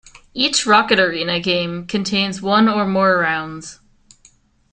Each "Rocket Arena" game contains one or more rounds.